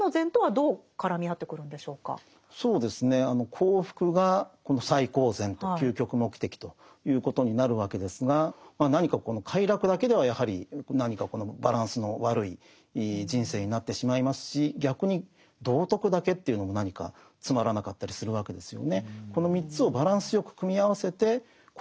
幸福が最高善と究極目的ということになるわけですが何かこの快楽だけではやはり何かこのバランスの悪い人生になってしまいますし逆に道徳だけというのも何かつまらなかったりするわけですよね。